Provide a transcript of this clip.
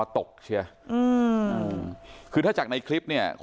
ตกเชียอืมคือถ้าจากในคลิปเนี่ย